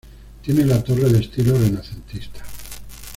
Tiene la torre de estilo renacentista.